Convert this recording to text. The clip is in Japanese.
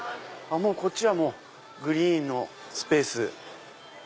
こっちはグリーンのスペース。